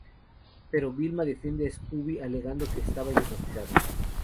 Pero Velma defiende a Scooby alegando que estaba hipnotizado.